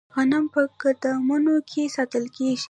غنم په ګدامونو کې ساتل کیږي.